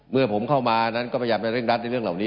เมื่อผมเข้ามานั้นก็พยายามจะเร่งรัดในเรื่องเหล่านี้